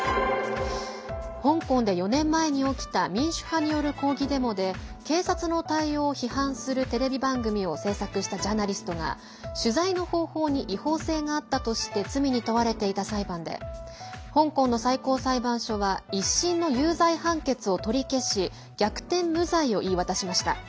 香港で４年前に起きた民主派による抗議デモで警察の対応を批判するテレビ番組を制作したジャーナリストが、取材の方法に違法性があったとして罪に問われていた裁判で香港の最高裁判所は１審の有罪判決を取り消し逆転無罪を言い渡しました。